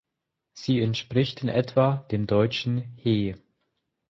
Sie entspricht in etwa dem deutschen "He".